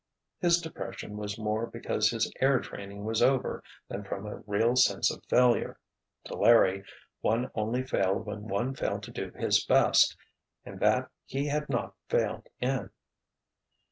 His depression was more because his air training was over than from a real sense of failure. To Larry, one only failed when one failed to do his best—and that he had not failed in.